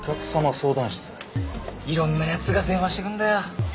いろんなやつが電話してくんだよ。